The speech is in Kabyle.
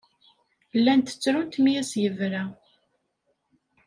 Llant ttrunt mi as-yebra.